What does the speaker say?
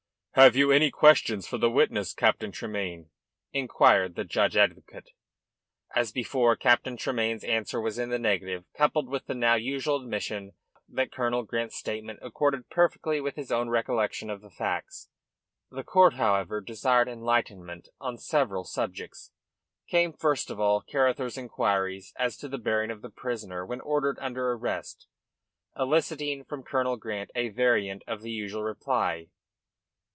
"Have you any questions for the witness, Captain Tremayne?" inquired the judge advocate. As before, Captain Tremayne's answer was in the negative, coupled with the now usual admission that Colonel Grant's statement accorded perfectly with his own recollection of the facts. The court, however, desired enlightenment on several subjects. Came first of all Carruthers's inquiries as to the bearing of the prisoner when ordered under arrest, eliciting from Colonel Grant a variant of the usual reply.